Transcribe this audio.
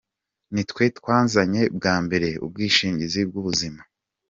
Nitwe twazanye bwa mbere ubwishingizi bw’ubuzima.